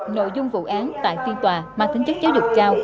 nội dung vụ án tại phiên tòa mà tính chất cháu được trao